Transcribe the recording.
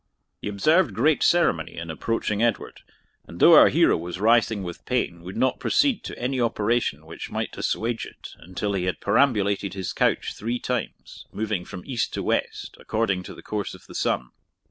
] He observed great ceremony in approaching Edward; and though our hero was writhing with pain, would not proceed to any operation which might assuage it until he had perambulated his couch three times, moving from east to west, according to the course of the sun.